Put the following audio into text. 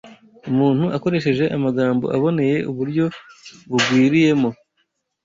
umuntu akoresheje amagambo aboneye uburyo bugwiriyemo